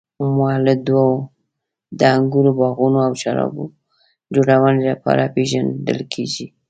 مولدوا د انګورو باغونو او شرابو جوړونې لپاره پېژندل کیږي.